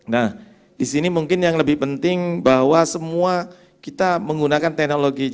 nah disini mungkin yang lebih penting bahwa semua kita menggunakan teknologi